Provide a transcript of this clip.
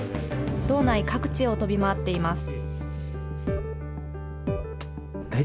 道内各地を飛び回っています。